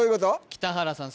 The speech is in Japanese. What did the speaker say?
北原さん